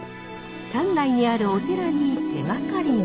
山内にあるお寺に手がかりが。